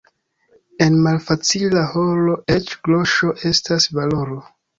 En malfacila horo eĉ groŝo estas valoro.